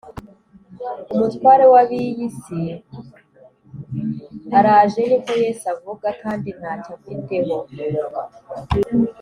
“Umutware w’ab’iyi si araje, niko Yesu avuga, kandi ntacyo amfiteho